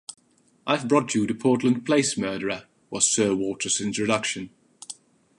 “I’ve brought you the Portland Place murderer,” was Sir Walter’s introduction.